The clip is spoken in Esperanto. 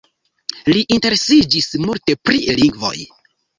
Li interesiĝis multe pri lingvoj.